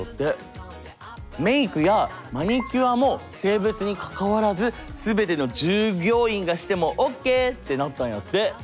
メークやマニキュアも性別にかかわらず全ての従業員がしてもオッケーってなったんやって。